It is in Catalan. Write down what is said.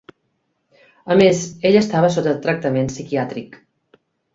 A més, ell estava sota tractament psiquiàtric.